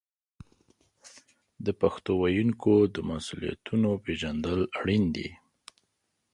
د پښتو ویونکو د مسوولیتونو پیژندل اړین دي.